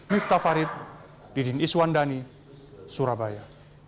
miftah farid didin iswandani surabaya